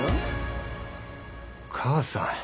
母さん。